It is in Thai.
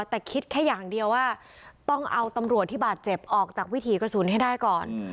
แต่คิดแค่อย่างเดียวว่าต้องเอาตำรวจที่บาดเจ็บออกจากวิถีกระสุนให้ได้ก่อน